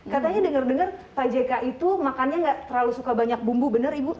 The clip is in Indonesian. katanya denger dengar pak jk itu makannya nggak terlalu suka banyak bumbu bener ibu